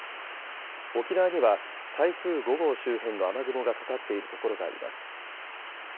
沖縄には台風５号周辺の雨雲がかかっている所があります。